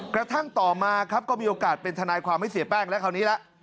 กระทั่งต่อมาครับก็มีโอกาสเป็นทนายความให้เสียแป้งแล้วคราวนี้ละ